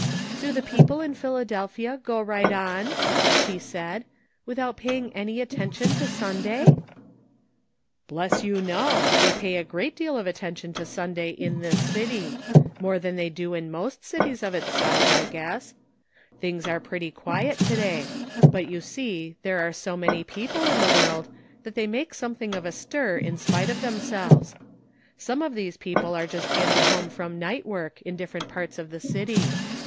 "Do the people in Philadelphia go right on," she said, " without paying any attention to Sunday?" " Bless you, no ; they pay a great deal of attention to Sunday in this city — more than they do in most cities of its size, I guess. Things are very quiet to day; but you see there are so many people in the world that they make something of a stir in spite of themselves. Some of these people are just getting home from night work in different parts of the city.